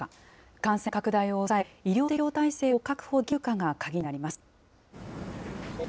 感染拡大を抑え、医療提供体制を確保できるかが鍵になります。